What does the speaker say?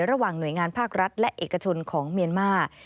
ระหว่างหน่วยงานภาครัฐและเอกชนของเมียนมาร์